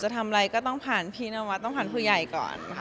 ต้องผ่านพี่นวัดต้องผ่านผู้ใหญ่ก่อน